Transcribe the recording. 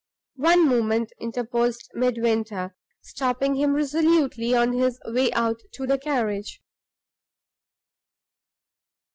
"One moment," interposed Midwinter, stopping him resolutely on his way out to the carriage.